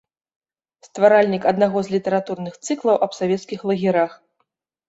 Стваральнік аднаго з літаратурных цыклаў аб савецкіх лагерах.